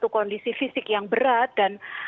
kondisi fisik yang berat dan